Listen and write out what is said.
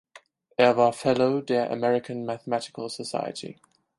Er war Fellow der American Mathematical Society.